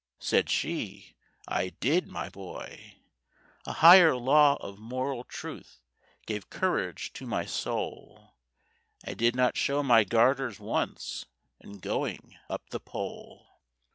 Said she, "I did, my boy. A higher law of moral truth Gave courage to my soul; I did not show my garters once In going up the pole.